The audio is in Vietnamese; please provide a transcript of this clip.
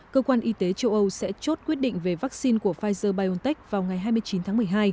cơ quan y tế châu âu sẽ chốt quyết định về vaccine của pfizer biontech vào ngày hai mươi chín tháng một mươi hai